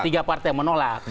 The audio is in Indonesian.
tiga partai yang menolak